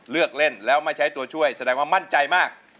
เลือกเล่นแล้วไม่ใช้ตัวช่วยแสดงว่ามั่นใจมาก